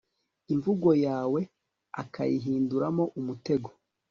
imvugo yawe akayihinduramo umutego